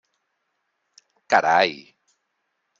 Carai!